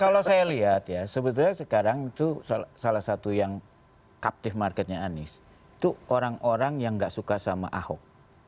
kalau saya lihat ya sebetulnya sekarang itu salah satu yang cuptive marketnya anies itu orang orang yang gak suka sama ahok